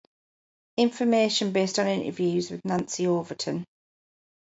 Information based on interviews with Nancy Overton.